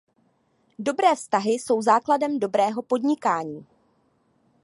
Dobré vztahy jsou základem dobrého podnikání.